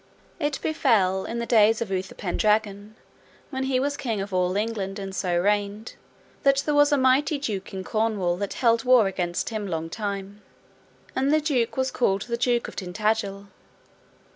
It befell in the days of Uther Pendragon, when he was king of all England, and so reigned, that there was a mighty duke in Cornwall that held war against him long time. And the duke was called the Duke of Tintagil.